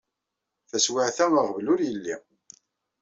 Taswiɛt-a aɣbel ur yelli.